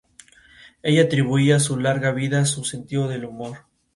Ella atribuía su larga vida a su sentido del humor.